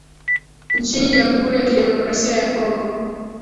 nchini jamhuri ya demokrasia ya kongo